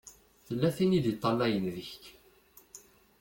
Tella tin i d-iṭṭalayen deg-k.